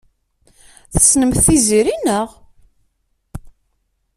Tessnemt Tiziri, naɣ?